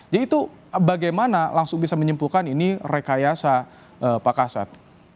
jadi itu bagaimana langsung bisa menyimpulkan ini rekayasa pak khasad